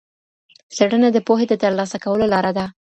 څېړنه د پوهي د ترلاسه کولو لاره ده.